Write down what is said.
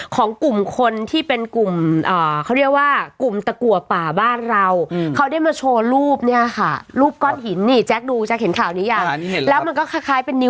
ของกลุ่มคนที่เป็นกลุ่มเขาเรียกว่ากลุ่มตะกัวป่าบ้านเราเขาได้มาโชว์รูปเนี่ยค่ะรูปก้อนหินนี่แจ๊คดูแจ๊คเห็นข่าวนี้ยังแล้วมันก็คล้ายเป็นนิ้